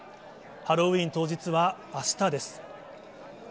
ハロウィーン当日はあしたです。